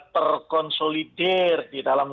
terkonsolider di dalam